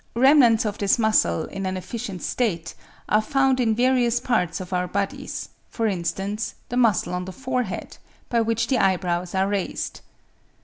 Remnants of this muscle in an efficient state are found in various parts of our bodies; for instance, the muscle on the forehead, by which the eyebrows are raised.